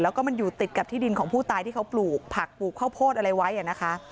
แล้วก็มันอยู่ติดกับที่ดินของผู้ตายที่เขาปลูกผักปลูกข้าวโพดอะไรไว้นะคะ